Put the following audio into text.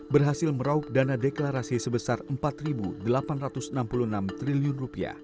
berhasil merauk dana deklarasi sebesar rp empat delapan ratus enam puluh enam triliun